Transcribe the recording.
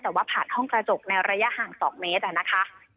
แต่ว่าผ่านห้องกระจกในระยะห่าง๒เมตรนะคะ